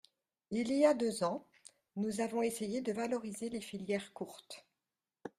Il y a deux ans, nous avons essayé de valoriser les filières courtes.